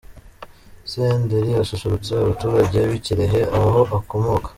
Senderi asusurutsa abaturage b'i Kirehe aho akomoka.